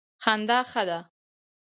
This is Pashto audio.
خندا ښه ده.